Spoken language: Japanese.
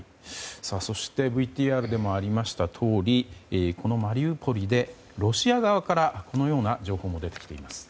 そしてＶＴＲにもありましたとおりこのマリウポリで、ロシア側からこのような情報も出てきています。